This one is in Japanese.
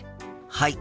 はい。